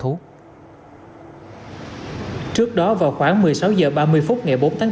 trước đó vào khoảng một mươi sáu h ba mươi phút ngày bốn tháng bốn